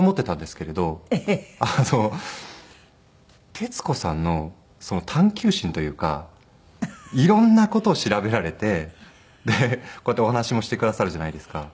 徹子さんのその探究心というか色んな事を調べられてこうやってお話もしてくださるじゃないですか。